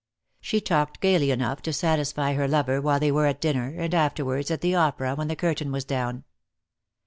She talked gaily enough to satisfy her lover while they were at dinner, and afterwards at the opera when the curtain was down.